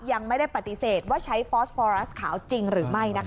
ยังไม่ได้ปฏิเสธว่าใช้ฟอสฟอรัสขาวจริงหรือไม่นะคะ